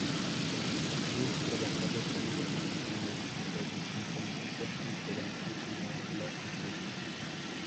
Gluck trabajaba cómodamente en la tradición francesa imperante cuando la compuso.